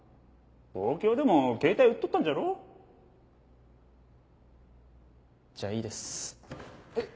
東京でもケータイ売っとったんじゃろじゃあいいですえっ